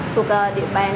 thuộc địa bàn